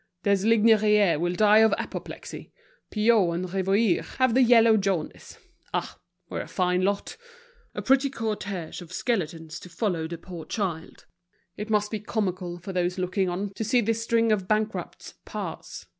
Deslignières will die of apoplexy. Piot and Rivoire have the yellow jaundice. Ah! we're a fine lot; a pretty cortege of skeletons to follow the poor child. It must be comical for those looking on to see this string of bankrupts pass.